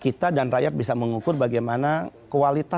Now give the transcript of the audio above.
kita dan rakyat bisa mengukur bagaimana kualitas